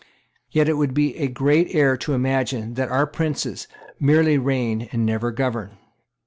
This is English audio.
Yet it would be a great error to imagine that our princes merely reign and never govern.